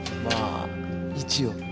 まあ一応。